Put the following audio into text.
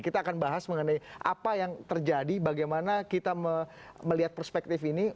kita akan bahas mengenai apa yang terjadi bagaimana kita melihat perspektif ini